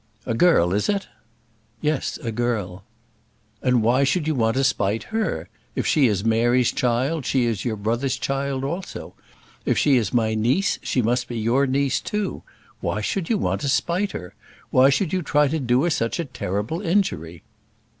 "A girl, is it?" "Yes, a girl." "And why should you want to spite her? If she is Mary's child, she is your brother's child also. If she is my niece, she must be your niece too. Why should you want to spite her? Why should you try to do her such a terrible injury?"